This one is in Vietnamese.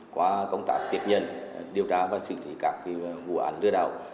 qua công tác tiếp nhận điều tra và xử lý các vụ án đưa đạo